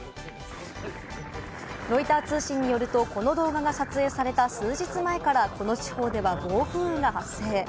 ロイター通信によるとこの動画が撮影された数日前から、この地方では暴風雨が発生。